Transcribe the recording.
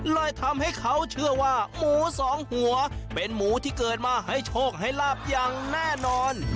เลยทำให้เขาเชื่อว่าหมูสองหัวเป็นหมูที่เกิดมาให้โชคให้ลาบอย่างแน่นอน